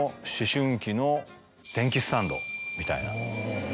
みたいな。